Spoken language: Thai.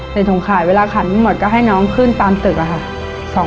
ถุงขายเวลาขันทั้งหมดก็ให้น้องขึ้นตามตึกอะค่ะ